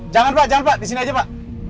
jangan pak jangan pak di sini aja pak